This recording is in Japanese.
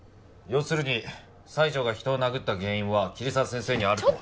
要するに西条が人を殴った原因は桐沢先生にあると。